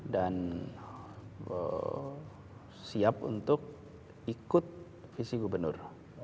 dan siap untuk ikut visi gubernur